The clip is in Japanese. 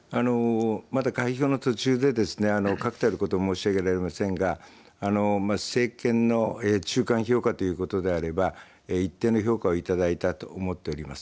まだ開票の途中で確たることは申し上げられませんが政権の中間評価ということであれば一定の評価を頂いたと思っております。